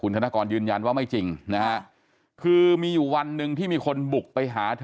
ธนกรยืนยันว่าไม่จริงนะฮะคือมีอยู่วันหนึ่งที่มีคนบุกไปหาเธอ